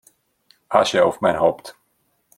Asche auf mein Haupt!